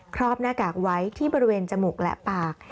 รอบหน้ากากไว้ที่บริเวณจมูกและปาก